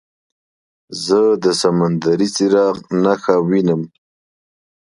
زه د سمندري څراغ نښه وینم.